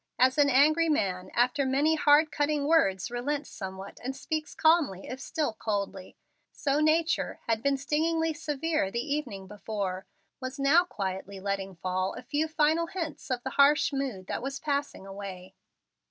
As an angry man after many hard cutting words relents somewhat and speaks calmly if still coldly, so nature, that had been stingingly severe the evening before, was now quietly letting fall a few final hints of the harsh mood that was passing away.